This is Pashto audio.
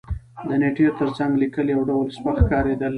د نېټې تر څنګ لېکل یو ډول سپک ښکارېدل.